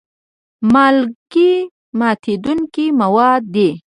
مالګې ماتیدونکي مواد دي.